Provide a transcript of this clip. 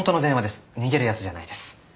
逃げるやつじゃないです。